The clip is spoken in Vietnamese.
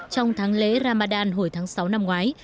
trong tháng lễ ramadan hồi tháng sáu năm ngoái